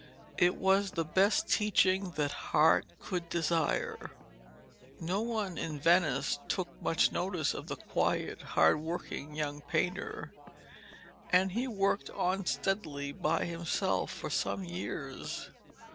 It was the best teaching that heart could desire. No one in Venice took much notice of the quiet, hard working young painter, and he worked on steadily by himself for some years.